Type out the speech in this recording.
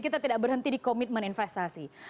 kita tidak berhenti di komitmen investasi